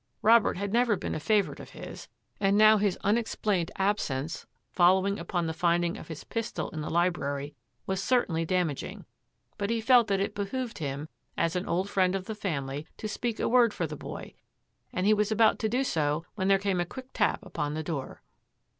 Robert had never been a favourite of his, and now his unex plained absence, following upon the finding of his pistol in the library, was certainly damaging, but he felt that it behooved him, as an old friend of the family, to speak a word for the boy, and he was about to do so when there came a quick tap upon the door.